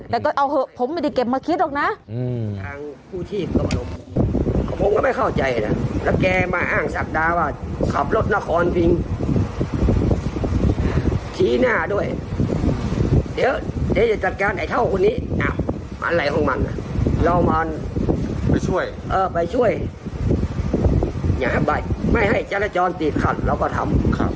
แต่ก็เอาเถอะผมไม่ได้เก็บมาคิดหรอกนะ